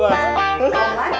panjang armes kan